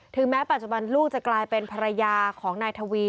แม้ปัจจุบันลูกจะกลายเป็นภรรยาของนายทวี